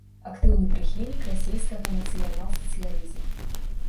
Актыўны прыхільнік расейскага нацыянал-сацыялізма.